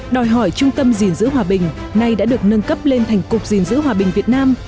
đòi hỏi trung tâm dình dữ hòa bình nay đã được nâng cấp lên thành cục dình dữ hòa bình việt nam